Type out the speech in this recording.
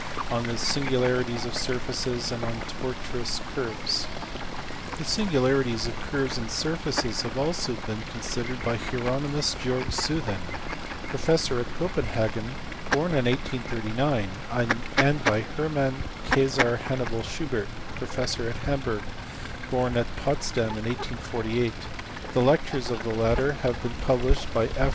469, 482) on the singularities of surfaces and on tortuous curves. The singularities of curves and surfaces have also been con sidered by Hieronymus Georg Zeuthen, professor at Copenhagen, born in 1839, and by Hermann Cdsar Hannibal Schubert, pro fessor at Hamburg, born at Potsdam in 1848: the lectures of the latter have been published by F.